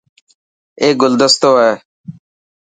اي گلدستو هي.